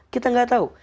kita gak tahu